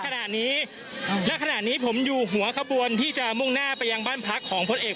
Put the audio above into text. ขณะนี้ณขณะนี้ผมอยู่หัวขบวนที่จะมุ่งหน้าไปยังบ้านพักของพลเอก